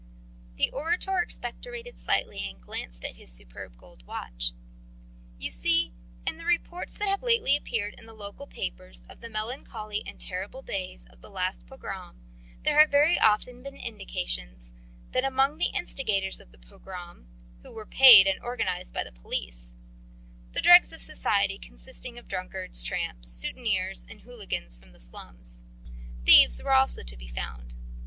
The orator expectorated slightly and glanced at his superb gold watch. "You see, in the reports that have lately appeared in the local papers of the melancholy and terrible days of the last pogrom, there have very often been indications that among the instigators of the pogrom who were paid and organised by the police the dregs of society, consisting of drunkards, tramps, souteneurs, and hooligans from the slums thieves were also to be found.